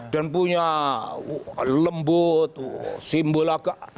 dan punya lembut simbol agak